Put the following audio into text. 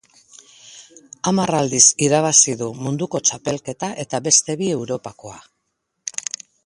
Hamar aldiz irabazi du Munduko Txapelketa eta beste bi Europakoa.